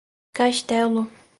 Castelo